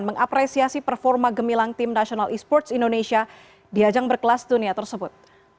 mengapresiasi performa gemilang timnasional esports indonesia di ajang berkelas dunia tersebut